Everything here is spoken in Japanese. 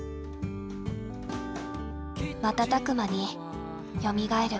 瞬く間によみがえる。